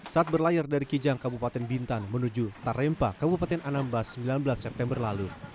saat berlayar dari kijang kabupaten bintan menuju tarempa kabupaten anambas sembilan belas september lalu